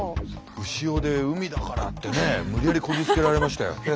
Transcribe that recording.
潮で海だからってねえ無理やりこじつけられましたよ。